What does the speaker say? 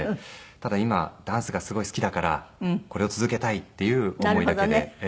ただ今ダンスがすごい好きだからこれを続けたいっていう思いだけでいましたね。